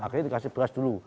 akhirnya dikasih beras dulu